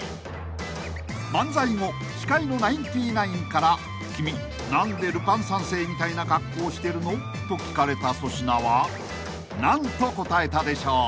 ［漫才後司会のナインティナインから「君何でルパン三世みたいな格好してるの？」と聞かれた粗品は何と答えたでしょう］